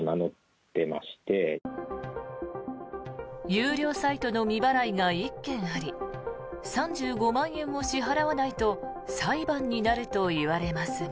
有料サイトの未払いが１件あり３５万円を支払わないと裁判になると言われますが。